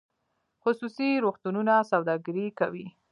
خصوصي روغتونونه سوداګري کوي